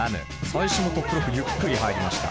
最初のトップロックゆっくり入りました。